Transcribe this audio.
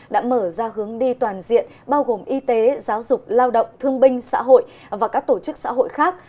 đã mở ra hướng đi toàn diện bao gồm y tế giáo dục lao động thương binh xã hội và các tổ chức xã hội khác